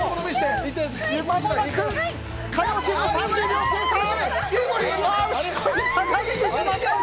火曜チーム３０秒経過！